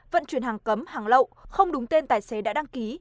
vận chuyển hàng cấm hàng lậu không đúng tên tài xế đã đăng ký